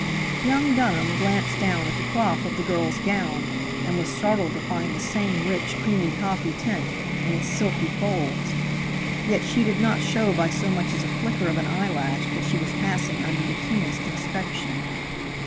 Young Dunham glanced down at the cloth of the girl's gown, and was startled to find the same rich creamy coffee tint in its silky folds; yet she did not show by so much as a flicker of an eyelash that she was passing under the keenest inspection.